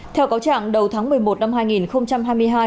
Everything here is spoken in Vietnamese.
theo cáo trạng đầu tháng một mươi một năm hai nghìn hai mươi hai